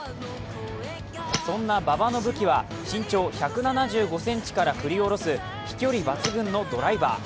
そんな馬場の武器は、身長１７５ｃｍから振り下ろす飛距離抜群のドライバー。